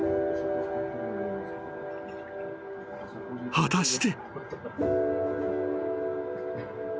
［果たして］